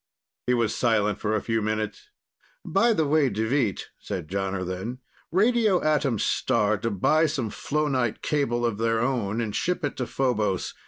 He was silent for a few minutes. "By the way, Deveet," said Jonner then, "radio Atom Star to buy some flonite cable of their own and ship it to Phobos.